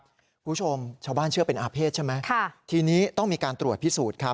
คุณผู้ชมชาวบ้านเชื่อเป็นอาเภษใช่ไหมค่ะทีนี้ต้องมีการตรวจพิสูจน์ครับ